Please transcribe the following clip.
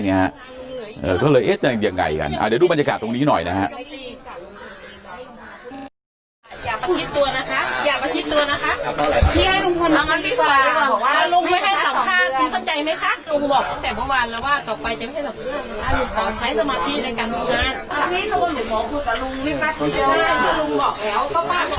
ก็เลยเอ๊ะจะยังไงกันเดี๋ยวดูบรรยากาศตรงนี้หน่อยนะฮะ